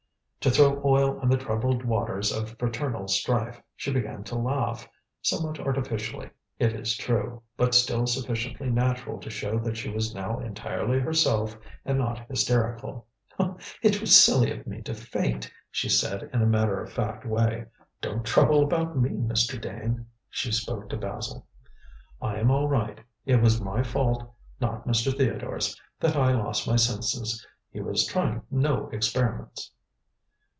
To throw oil on the troubled waters of fraternal strife, she began to laugh somewhat artificially, it is true, but still sufficiently naturally to show that she was now entirely herself and not hysterical. "It was silly of me to faint," she said in a matter of fact way. "Don't trouble about me, Mr. Dane" she spoke to Basil. "I am all right. It was my fault, not Mr. Theodore's, that I lost my senses. He was trying no experiments."